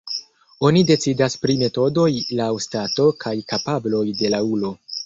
Oni decidas pri metodoj laŭ stato kaj kapabloj de la ulo.